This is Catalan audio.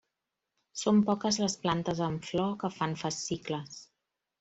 Són poques les plantes amb flor que fan fascicles.